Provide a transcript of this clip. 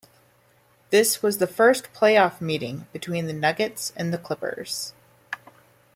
This was the first playoff meeting between the Nuggets and the Clippers.